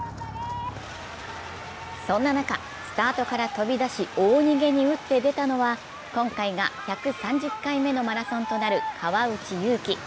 そんな中、スタートから飛び出し大逃げに打って出たのは今回が１３０回目のマラソンとなる川内優輝。